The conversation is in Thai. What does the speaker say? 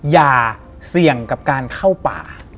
อย่าเสี่ยงกับการเข้าป่า